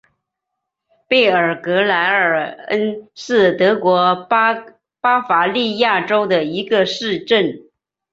贝尔格莱尔恩是德国巴伐利亚州的一个市镇。